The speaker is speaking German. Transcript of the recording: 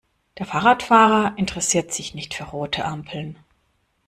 Der Fahrradfahrer interessiert sich nicht für rote Ampeln.